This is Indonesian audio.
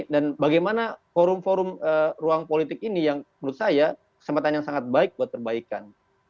dan bagaimana forum forum ruang politik ini yang menurut saya kesempatan yang sangat baik buat terbaikkan